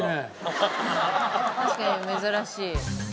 確かに珍しい。